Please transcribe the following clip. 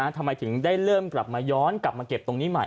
ทำไมถึงได้เริ่มกลับมาย้อนกลับมาเก็บตรงนี้ใหม่